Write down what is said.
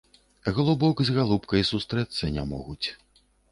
Галубок з галубкай сустрэцца не могуць.